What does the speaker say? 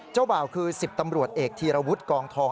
เจ้าบ่าวคือ๑๐ตำรวจเอกทีระวุธกองทอง